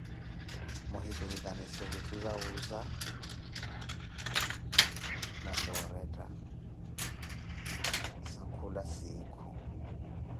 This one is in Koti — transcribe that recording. Muhivirikanise vitthu za owuuza na za oretta za khula siikhu.